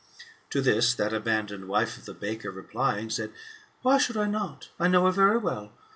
To this, that abandoned wife of the baker replying, said, " Why should I not ? I know her very well.